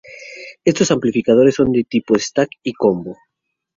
Estos amplificadores son del tipo stack y combo.